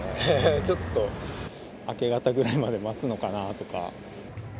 ちょっと、明け方ぐらいまで待つのかなとか。